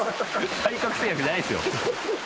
体格製薬じゃないですよ。